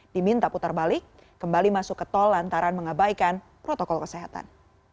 diminta putar balik kembali masuk ke tol lantaran mengabaikan protokol kesehatan